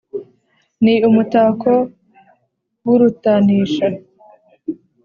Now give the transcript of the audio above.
Ni umutako w'urutanisha